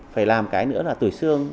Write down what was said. phải làm cái nữa là tuổi sương